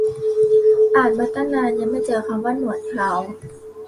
อ่านมาตั้งนาน ยังไม่เจอคำว่าหนวดเครา